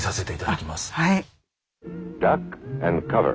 はい。